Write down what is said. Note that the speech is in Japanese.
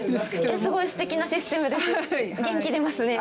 すごいすてきなシステムです。